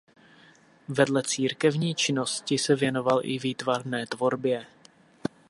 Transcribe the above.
Vedle církevní činnosti se věnoval i výtvarné tvorbě.